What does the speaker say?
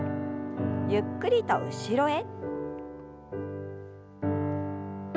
ゆっくりと後ろへ。